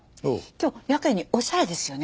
今日やけにおしゃれですよね。